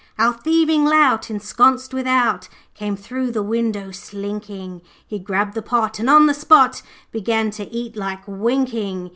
'Our thieving lout, ensconced without, Came through the window slinking; He grabbed the pot and on the spot Began to eat like winking.